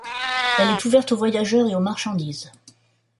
Elle est ouverte aux voyageurs et aux marchandises.